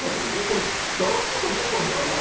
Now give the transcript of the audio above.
これギャラクシー賞取ったんですよね？